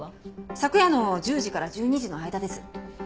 昨夜の１０時から１２時の間です。